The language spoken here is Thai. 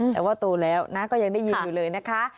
แต่ว่าโตแล้วนะก็ยังได้ยินอยู่เลยนะคะ